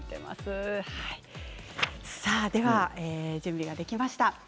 では準備ができました。